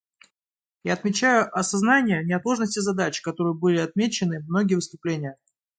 Я отмечаю осознание неотложности задач, которым были отмечены многие выступления.